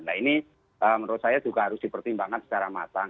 nah ini menurut saya juga harus dipertimbangkan secara matang